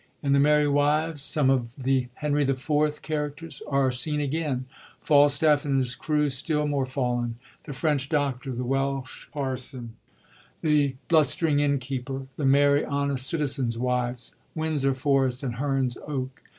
In The Merry Wives some of the Henry IV, characters are seen again, Falstaff and his crew still more fallen, the French doctor, the Welsh parson, the blustering innkeeper, the merry, honest citizens' wives, Windsor Forest and Heme's Oak.